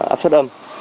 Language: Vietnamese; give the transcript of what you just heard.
áp sất âm